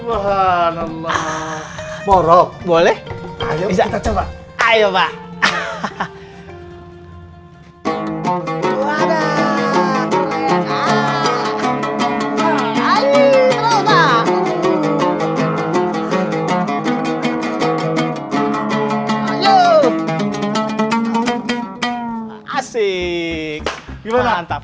banget ah rokok boleh aja ayo vier tuesday montor